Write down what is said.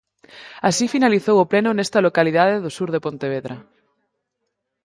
Así finalizou o pleno nesta localidade do sur de Pontevedra.